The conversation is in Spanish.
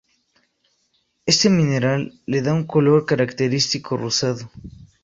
Este mineral le da un color característico rosado.